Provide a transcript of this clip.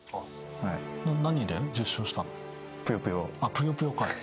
ぷよぷよか。